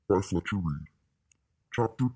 BY FLETCHER READE. CHAPTER II.